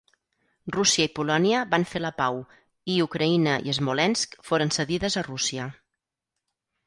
Rússia i Polònia van fer la pau, i Ucraïna i Smolensk foren cedides a Rússia.